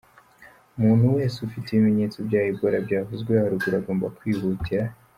Umuntu wese ufite ibimenyetso bya Ebola byavuzwe haruguru agomba kwihutira .